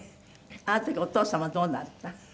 あの時お父様どうだった？